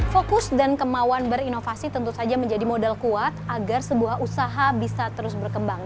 fokus dan kemauan berinovasi tentu saja menjadi modal kuat agar sebuah usaha bisa terus berkembang